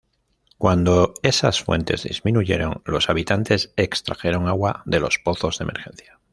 Cuando esas fuentes disminuyeron los habitantes extrajeron agua de los pozos de emergencia.